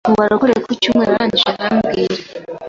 mu barokore ku cyumweru, arangije arambwira